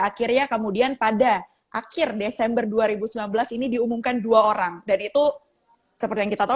akhirnya kemudian pada akhir desember dua ribu sembilan belas ini diumumkan dua orang dan itu seperti yang kita tahu